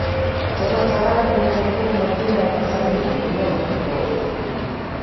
chama tawala kilipendekeza majina ya pasarilu mulunda ngoi